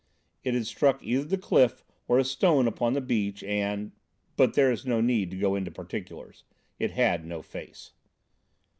It had struck either the cliff or a stone upon the beach and—but there is no need to go into particulars: it had no face.